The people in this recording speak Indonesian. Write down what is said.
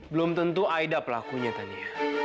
belum tentu haida pelakunya tania